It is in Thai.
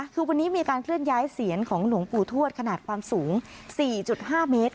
คือวันนี้มีการเคลื่อนย้ายเสียนของหลวงปู่ทวดขนาดความสูง๔๕เมตร